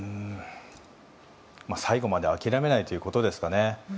最後まで諦めないということですかね。